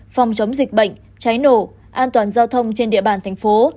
phòng chống dịch bệnh cháy nổ an toàn giao thông trên địa bàn thành phố